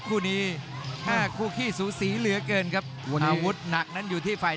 คู่นี้ห้าคู่ขี้สูสีเหลือเกินครับวนอาวุธหนักนั้นอยู่ที่ฝ่าย